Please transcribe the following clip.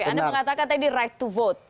anda mengatakan tadi right to vote